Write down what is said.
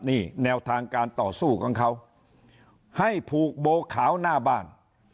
นี่แนวทางการต่อสู้ของเขาให้ผูกโบขาวหน้าบ้าน